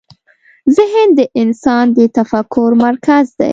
ذهن د انسان د تفکر مرکز دی.